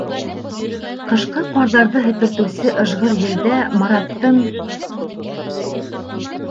Ҡышҡы ҡарҙарҙы һепертеүсе ыжғыр елдә Мараттың: